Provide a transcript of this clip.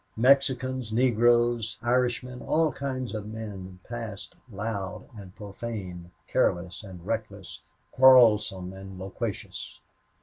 Mexicans, Negroes, Irishmen all kinds of men passed, loud and profane, careless and reckless, quarrelsome and loquacious.